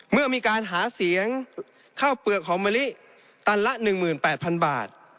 เมื่อมีการหาเสียงข้าวเปลือกหอมมะลิตันละ๑๘๐๐๐บาท